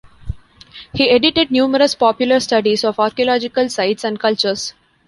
He edited numerous popular studies of archaeological sites and cultures.